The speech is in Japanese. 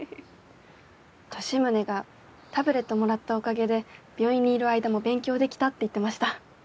利宗がタブレットもらったおかげで病院にいる間も勉強できたって言ってました。